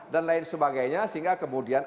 dan lain sebagainya sehingga kemudian